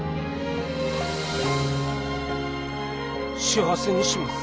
幸せにします。